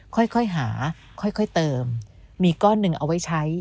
ค่อยหาค่อยเติมมีก้อนหนึ่งเอาไว้ใช้